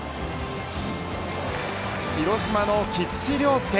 広島の菊池涼介。